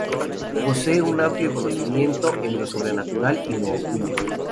Posee un amplio conocimiento en lo sobrenatural y lo oculto.